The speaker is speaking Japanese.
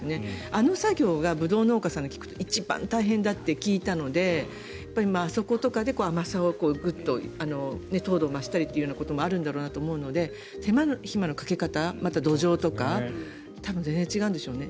あの作業がブドウ農家さんに聞くと一番大変だと言っていたのであそことかで甘さをグッと糖度を増したりというところもあると思うので手間暇のかけ方また、土壌とか全然違うんでしょうね。